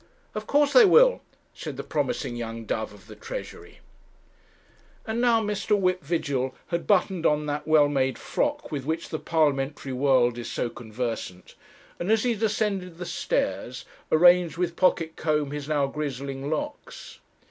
'Of course they will,' said the promising young dove of the Treasury. And now Mr. Whip Vigil had buttoned on that well made frock with which the Parliamentary world is so conversant, and as he descended the stairs, arranged with pocket comb his now grizzling locks.